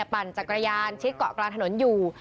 ปั่นจักรยานชิดเกาะกลางถนนอยู่